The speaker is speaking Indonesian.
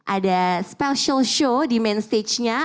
ada special show di main stage nya